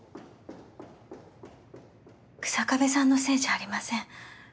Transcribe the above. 日下部さんのせいじゃありません。